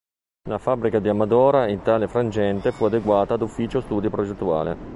La fabbrica di Amadora in tale frangente fu adeguata ad ufficio studi progettuale.